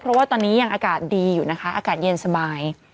เพราะว่าตอนนี้ยังอากาศดีอยู่นะคะอากาศเย็นสบาย